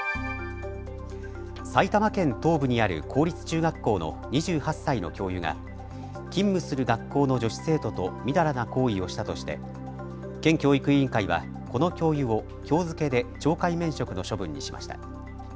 埼玉県東部にある公立中学校の２８歳の教諭が勤務する学校の女子生徒と淫らな行為をしたとして県教育委員会はこの教諭をきょう付けで懲戒免職の処分にしました。